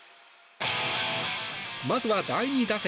まずは第２打席。